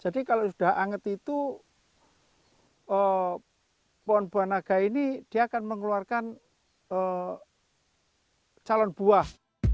jadi kalau sudah anget itu pohon buah naga ini dia akan mengeluarkan calon buah